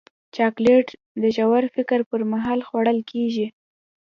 چاکلېټ د ژور فکر پر مهال خوړل کېږي.